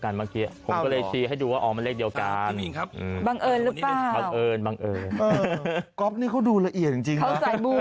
ก๊อปนี่เขาดูละเอียดจริงนะครับเออเขาใส่มูลค่ะ